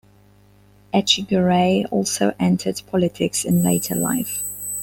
Echegaray also entered politics in later life.